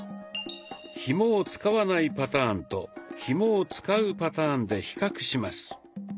ひもを使わないパターンとひもを使うパターンで比較します。